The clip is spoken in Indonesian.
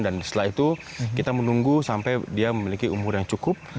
dan setelah itu kita menunggu sampai dia memiliki umur yang cukup